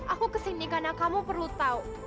aku kesini karena kamu perlu tahu